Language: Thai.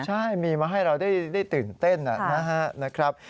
ใช่มีมาให้เราได้ตื่นเต้นนะครับ